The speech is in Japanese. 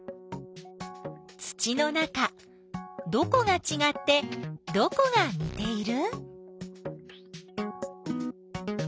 土の中どこがちがってどこがにている？